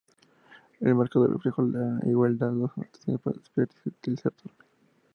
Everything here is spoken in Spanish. El marcador reflejó la igualdad a dos anotaciones para despedirse del certamen.